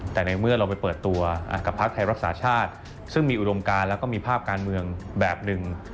แต่ในเมื่อเราไปเปิดตัวกับภาคไทยรักษาชาติซึ่งมีอุดมการแล้วก็มีภาพการเมืองแบบหนึ่ง